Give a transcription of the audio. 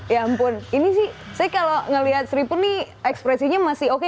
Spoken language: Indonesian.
ya ampun ini sih saya kalau ngelihat seripun nih ekspresinya masih oke